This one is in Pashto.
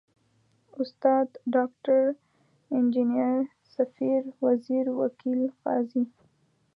استاد، ډاکټر، انجنیر، ، سفیر، وزیر، وکیل، قاضي ...